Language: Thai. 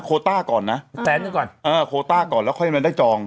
ต้าก่อนนะแสนหนึ่งก่อนเออโคต้าก่อนแล้วค่อยมาได้จอง